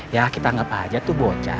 ya kita anggap aja itu bocah